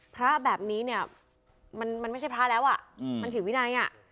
พระแบบนี้เนี่ยมันไม่ใช่พระแล้วอ่ะมันผิดวินัยอ่ะ